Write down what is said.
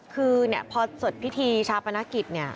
คือพอสดพิธีชะพนักกิจ